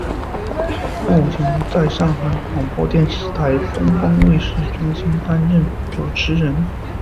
目前在上海广播电视台东方卫视中心担任主持人。